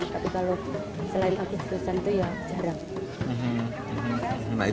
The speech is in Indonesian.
tapi kalau selain agustusan itu ya jarang